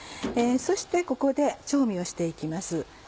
そしてここで調味をして行きます。